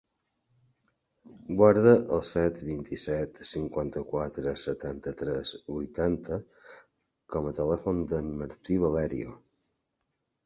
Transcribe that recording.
Guarda el set, vint-i-set, cinquanta-quatre, setanta-tres, vuitanta com a telèfon del Martí Valerio.